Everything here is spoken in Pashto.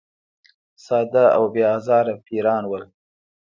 ساده او بې آزاره پیران ول.